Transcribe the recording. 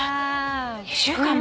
２週間も。